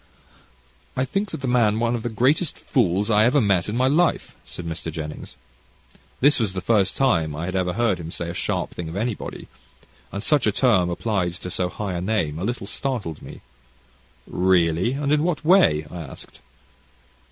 "I think that man one of the very greatest fools I ever met in my life," said Mr. Jennings. This was the first time I had ever heard him say a sharp thing of anybody, and such a term applied to so high a name a little startled me. "Really! and in what way?" I asked.